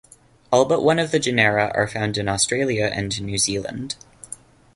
All but one of the genera are found in Australia and New Zealand.